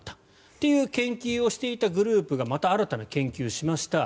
という研究をしていたグループがまた新たな研究をしました。